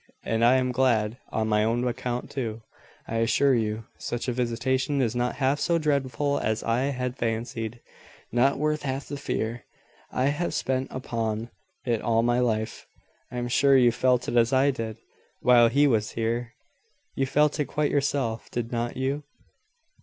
And I am glad on my own account too, I assure you. Such a visitation is not half so dreadful as I had fancied not worth half the fear I have spent upon it all my life. I am sure you felt as I did while he was here; you felt quite yourself, did not you?